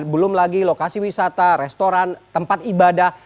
belum lagi lokasi wisata restoran tempat ibadah